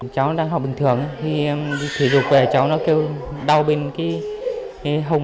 cháu đang học bình thường khi thủy dục về cháu đau bên hồng